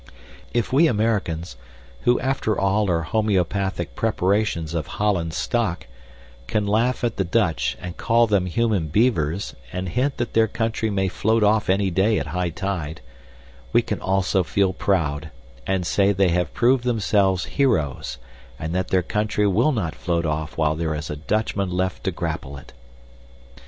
If we Americans, who after all are homeopathic preparations of Holland stock, can laugh at the Dutch, and call them human beavers and hint that their country may float off any day at high tide, we can also feel proud, and say they have proved themselves heroes and that their country will not float off while there is a Dutchman left to grapple it.